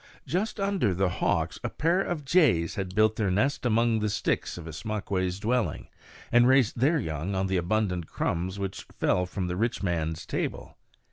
Just under the hawks a pair of jays had built their nest among the sticks of Ismaques' dwelling, and raised their young on the abundant crumbs which fell from the rich man's table.